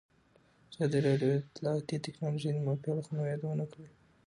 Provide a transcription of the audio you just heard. ازادي راډیو د اطلاعاتی تکنالوژي د منفي اړخونو یادونه کړې.